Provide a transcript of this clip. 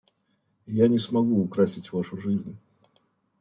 Я не смогу украсить Вашу жизнь.